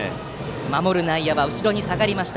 守る内野は後ろに下がりました。